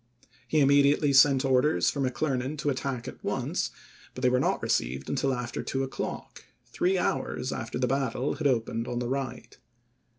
1 He immediately sent orders for McClernand to attack at once, but they were not received until after two o'clock, three hours after the battle had opened on the right.